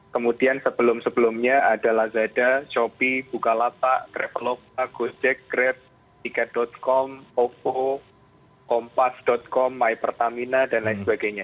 kemudian sebelum sebelumnya ada lazada shopee bukalapak trevelova gojek grab ticket com oppo kompas com mypertamina dan lain sebagainya